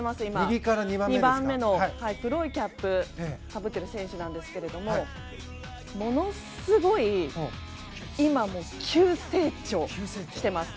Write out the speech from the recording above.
右から２番目の黒いキャップをかぶっている選手なんですけどものすごい今、急成長してます。